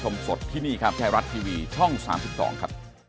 ชมสดที่นี่ครับไทยรัฐทีวีช่อง๓๒ครับ